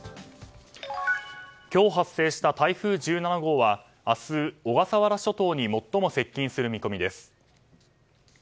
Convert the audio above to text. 今日発生した台風１７号は明日、小笠原諸島に最も接近する見込みです。